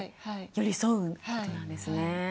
寄り添うことなんですね。